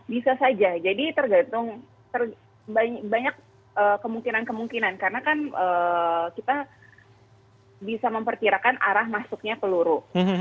bisa saja jadi tergantung banyak kemungkinan kemungkinan karena kan kita bisa memperkirakan arah masuknya peluru